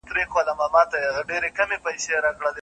« تورو څڼو ته مي راوړل د نرګس تازه ګلونه »